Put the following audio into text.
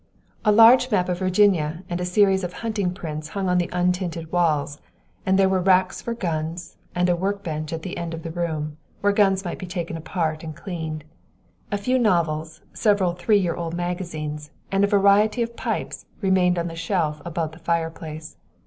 A large map of Virginia and a series of hunting prints hung on the untinted walls, and there were racks for guns, and a work bench at one end of the room, where guns might be taken apart and cleaned. A few novels, several three year old magazines and a variety of pipes remained on the shelf above the fireplace.